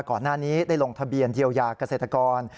ก่อนหน้านี้ได้ลงทะเบียนเยียวยาเกษตรกร